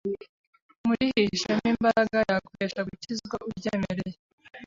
Muri hihishemo imbaraga yaguhesha gukizwa uryemereye.